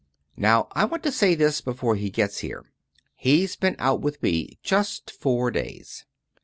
Now I want to say this before he gets here. He's been out with me just four days.